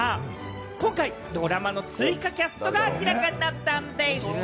今回、ドラマの追加キャストが明らかになったんでぃす！